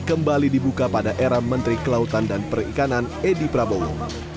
kembali dibuka pada era menteri kelautan dan perikanan edi prabowo